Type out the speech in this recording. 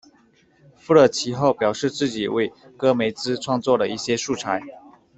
富勒其后表示自己为戈梅兹创作了一些素材。